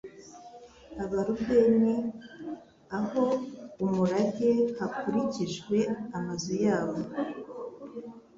Abarubeni a ho umurage hakurikijwe amazu yabo